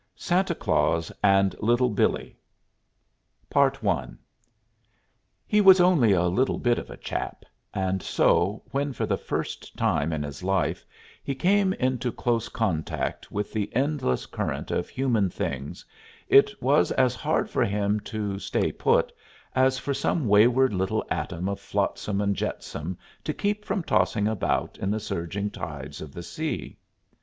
SANTA CLAUS AND LITTLE BILLEE I He was only a little bit of a chap, and so, when for the first time in his life he came into close contact with the endless current of human things, it was as hard for him to "stay put" as for some wayward little atom of flotsam and jetsam to keep from tossing about in the surging tides of the sea.